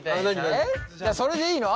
それでいいの？